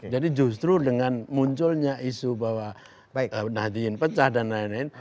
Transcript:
jadi justru dengan munculnya isu bahwa nadien pecah dan lain lain